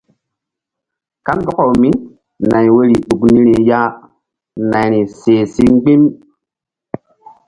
Kandɔkawmínay woyri ɗuk niri ya nayri seh si mgbi̧m.